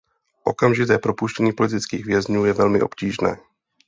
Okamžité propuštění politických vězňů je velmi obtížné.